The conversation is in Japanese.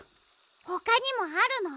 ほかにもあるの？